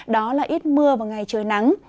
đó là ít mưa và ngày trời nắng